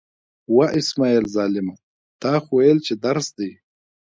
وه! اسمعیله ظالمه، تا خو ویل چې درس دی.